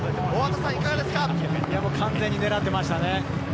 完全に狙っていましたね。